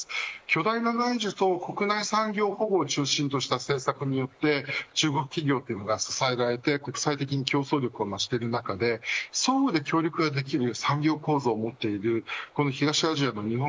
巨大な内需と国内産業保護を中心とした政策によって中国企業が支えられて国際的に競争力を増していく中で相互で協力ができる産業構造を持っている東アジアの日本